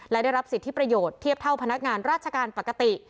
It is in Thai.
และได้รับสิทธิประโยชน์เทียบเท่าพนักงานราชการปกติ